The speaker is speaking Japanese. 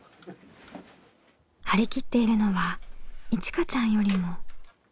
張り切っているのはいちかちゃんよりも。